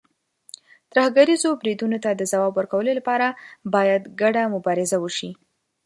ترهګریزو بریدونو ته د ځواب ورکولو لپاره، باید ګډه مبارزه وشي.